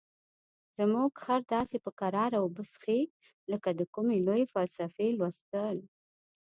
زموږ خر داسې په کراره اوبه څښي لکه د کومې لویې فلسفې لوستل.